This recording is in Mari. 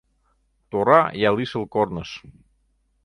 Тора я лишыл корныш